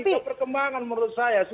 ini adalah perkembangan menurut saya